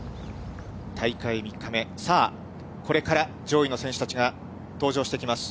大会３日目、さあ、これから上位の選手たちが登場してきます。